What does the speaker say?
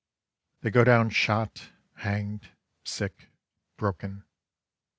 They go down shot, hanged, sick, broken.